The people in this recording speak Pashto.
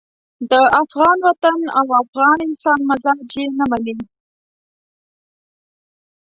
د افغان وطن او افغان انسان مزاج یې نه مني.